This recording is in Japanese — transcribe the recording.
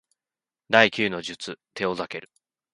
第九の術テオザケル